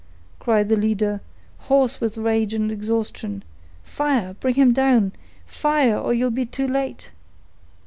cried the leader, hoarse with rage and exhaustion. "Fire!—bring him down—fire, or you'll be too late."